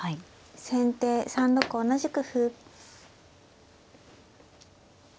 先手３六同じく歩。